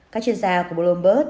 các chuyên gia của bloomberg